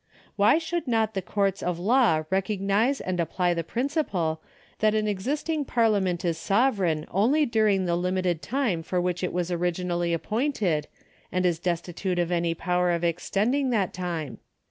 Why should not the courts of law recognise and apply the ])rinciple that an existing Parliament is sovereign only during the limited time for which it was originally appointed, and is destitute of any power of extending that time